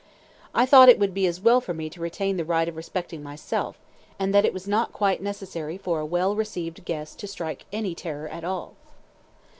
I thought it would be as well for me to retain the right of respecting myself, and that it was not quite necessary for a well received guest to strike any terror at all.